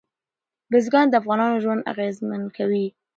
بزګان د افغانانو ژوند اغېزمن کوي.